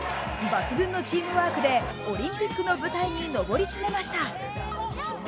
抜群のチームワークでオリンピックの舞台に上り詰めました。